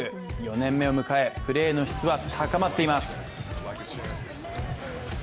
４年目を迎えプレーの質は高まっています。